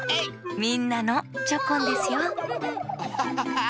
みんなのチョコンですよアハハハー！